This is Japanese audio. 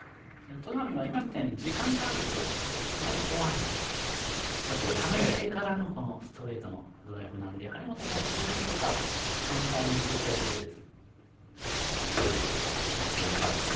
戸上が今みたいに時間があると、やはりフォアにためてからのストレートのドライブなので張本があそこをなんとかカウンターに持っていきたいところです。